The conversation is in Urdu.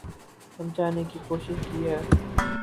سمجھانے کی کوشش کی ہے